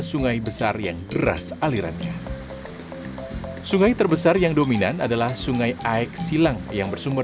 sungai besar yang deras alirannya sungai terbesar yang dominan adalah sungai aek silang yang bersumber